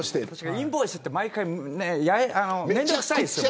インボイスって面倒くさいですよね。